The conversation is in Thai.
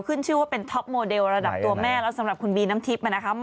ขึ้นชื่อว่าเป็นท็อปโมเดลระดับตัวแม่แล้วสำหรับคุณบีน้ำทิพย์นะครับ